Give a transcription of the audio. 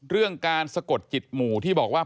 เรื่องการสะกดจิตหมู่ที่บอกว่า